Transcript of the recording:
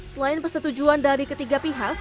selain persetujuan dari ketiga pihak